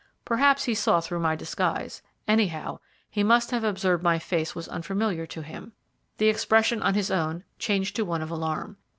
Perhaps he saw through my disguise; anyhow, he must have observed that my face was unfamiliar to him. The expression on his own changed to one of alarm.